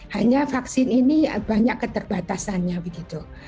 hanya vaksin ini banyak keterbatasannya begitu